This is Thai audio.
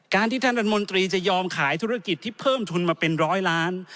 ที่ท่านรัฐมนตรีจะยอมขายธุรกิจที่เพิ่มทุนมาเป็นร้อยล้าน